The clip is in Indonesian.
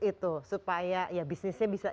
itu supaya ya bisnisnya bisa